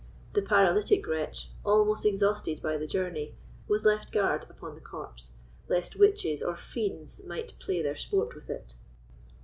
The paralytic wretch, almost exhausted by the journey, was left guard upon the corpse, lest witches or fiends might play their sport with it.